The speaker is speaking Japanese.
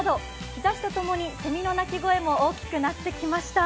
日ざしと共にせみの鳴き声も大きくなってきました。